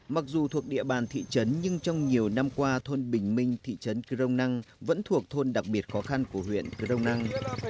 mặc dù thuộc địa bàn thị trấn nhưng trong nhiều năm qua thôn bình minh thị trấn crong năng vẫn thuộc thôn đặc biệt khó khăn của huyện crong năng